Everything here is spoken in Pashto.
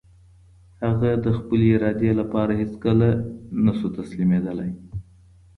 هغه د خپلې ارادې لپاره هېڅکله نه شو تسليمېدلی.